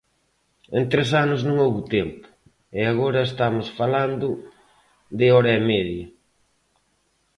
En tres anos non houbo tempo, e agora estamos falando de hora e media.